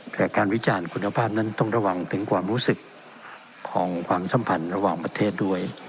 แต่การวิจารณ์คุณภาพนั้นต้องระวังถึงความรู้สึกของความสัมพันธ์ระหว่างประเทศด้วย